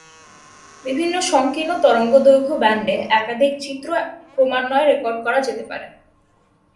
বিভিন্ন সংকীর্ণ তরঙ্গদৈর্ঘ্য ব্যান্ডে একাধিক চিত্র ক্রমান্বয়ে রেকর্ড করা যেতে পারে।